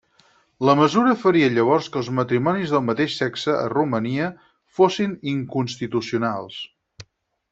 La mesura faria llavors que els matrimonis del mateix sexe a Romania fossin inconstitucionals.